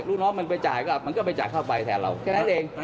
ลูกน้องมันไปจ่ายก็มันก็ไปจ่ายค่าไฟแทนเราแค่นั้นเอง